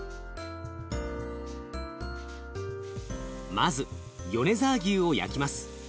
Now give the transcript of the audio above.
まず米沢牛を焼きます。